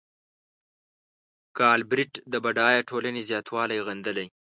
ګالبرېټ د بډایه ټولنې زیاتوالی غندلی.